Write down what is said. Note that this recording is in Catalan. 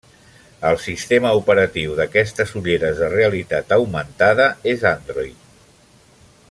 El sistema operatiu d'aquestes ulleres de realitat augmentada és Android.